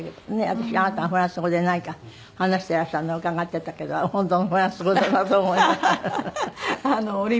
私あなたがフランス語で何か話していらっしゃるの伺ってたけど本当のフランス語だなと思いながら。